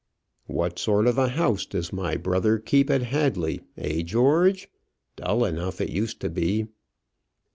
"What sort of a house does my brother keep at Hadley eh, George? Dull enough it used to be."